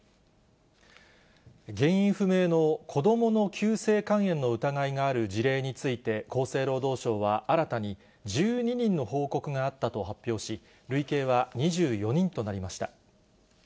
原因不明の子どもの急性肝炎の疑いがある事例について、厚生労働省は新たに１２人の報告があったと発表し、累計は２４人となりました。